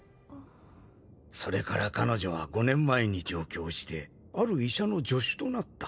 それから彼女は５年前に上京してある医者の助手となった。